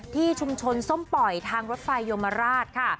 ที่ชุมชนส้มปล่อยทางรถไฟโยมราชค่ะ